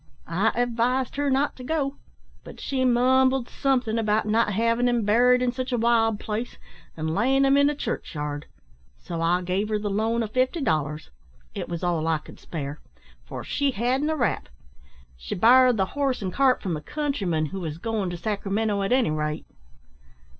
I advised her not to go, but she mumbled something about not havin' him buried in sich a wild place, an' layin' him in a churchyard; so I gave her the loan o' fifty dollars it was all I could spare for she hadn't a rap. She borrowed the horse and cart from a countryman, who was goin' to Sacramento at any rate."